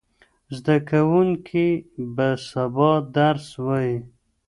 زده کوونکي به سبا درس وایي.